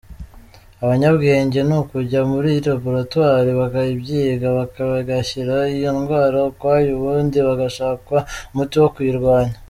Abanyabwenge nukujya muri laboratwari bakabyiga bakagashyira iyo ndwara ukwayo ubundi hagashakwa umuti wo kuyirwanya.